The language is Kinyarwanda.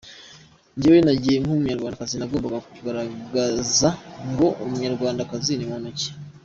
Njyewe nagiye nk’Umunyarwandakazi, nagombaga kugaragaza ngo umunyarwandakazi ni muntu ki.